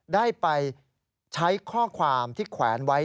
ได้ไปใช้ข้อความที่แขวนไว้